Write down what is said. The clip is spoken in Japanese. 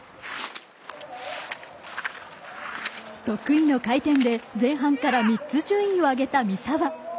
得意の回転で前半から３つ順位を上げた三澤。